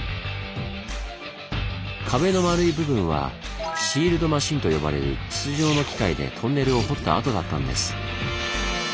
壁のまるい部分はシールドマシンと呼ばれる筒状の機械でトンネルを掘った跡だったんです。